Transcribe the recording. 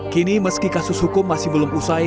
kini meski kasus hukum masih belum usai